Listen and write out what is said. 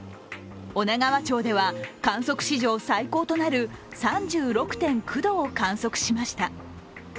女川町では観測史上最高となる３６．９度を観測しました。